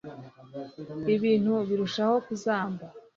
ibintu birushaho kuzamba